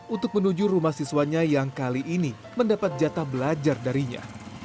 untuk menuju rumah siswanya yang kali ini mendapat jatah belajar darinya